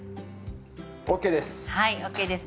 ＯＫです！